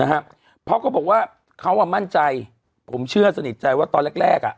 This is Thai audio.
ฮะเพราะเขาบอกว่าเขาอ่ะมั่นใจผมเชื่อสนิทใจว่าตอนแรกแรกอ่ะ